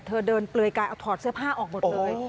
เธอเดินเปลือยกายเอาถอดเสื้อผ้าออกหมดเลย